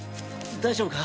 大丈夫か？